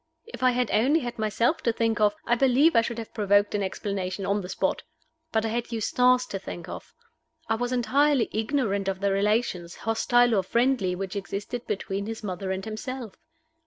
If I had only had myself to think of, I believe I should have provoked an explanation on the spot. But I had Eustace to think of. I was entirely ignorant of the relations, hostile or friendly, which existed between his mother and himself.